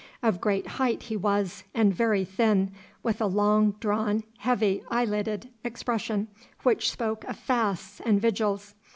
Of great height he was and very thin, with a long drawn, heavy eyelidded expression, which spoke of fasts and vigils.